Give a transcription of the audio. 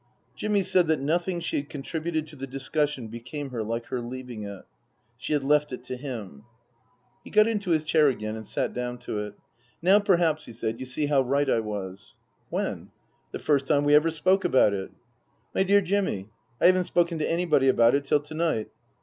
Jimmy said that nothing she had contributed to the discussion became her like her leaving it. She had left it to him. He got into his chair again and sat down to it. " Now, perhaps," he said, " you see how right I was." " When ?"" The first time we ever spoke about it." " My dear Jimmy, I haven't spoken to anybody about it till to night."